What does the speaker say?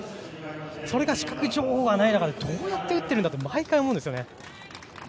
それが視覚情報がない中でどうやって打ってるんだと毎回思うんですよね。